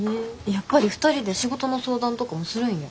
やっぱり２人で仕事の相談とかもするんや。